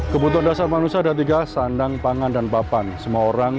kebutuhan dasar manusia ada tiga sandang pangan dan papan semua orang